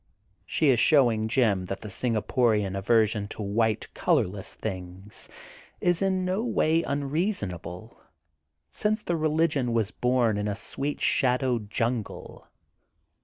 She is showing Jim that the Singaporian aversion to white, color less things, is in no way unreasonable, since the religion was bom in a sweet shadowed jungle.